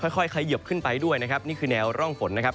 ค่อยเขยิบขึ้นไปด้วยนะครับนี่คือแนวร่องฝนนะครับ